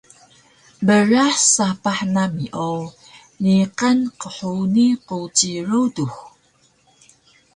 Brah sapah nami o niqan qhuni quci rudux